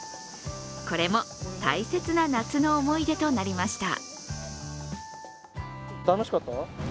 これも大切な夏の思い出となりました。